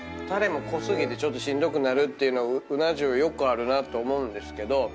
タレも濃過ぎてちょっとしんどくなるっていううな重よくあるなと思うんですけど。